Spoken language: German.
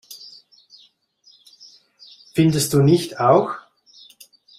Findest du nicht auch?